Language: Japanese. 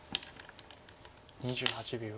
２８秒。